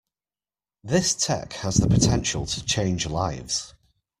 This tech has the potential to change lives.